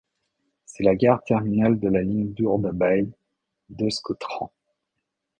C'est la gare terminale de la ligne d'Urdaibai d'EuskoTren.